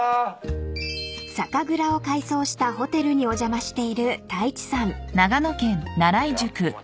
［酒蔵を改装したホテルにお邪魔している太一さん］では。